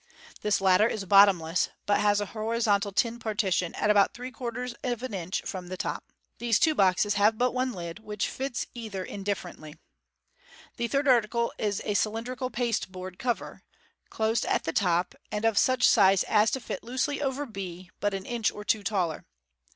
This latter is bottomless, but has a horizontal tin partition at about three quarters of an inch from MODERN MAGIC. 33i 6=3 the top. These two boxes have but one I'd, which fits either indif ferently. The third article is a cylindrical pasteboard cover (Fig. 212), closed at the top, and of such a size as to fit loosely over B, but an inch or two taller.